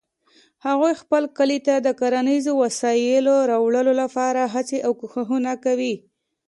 هغوی خپل کلي ته د کرنیزو وسایلو راوړلو لپاره هڅې او کوښښونه کوي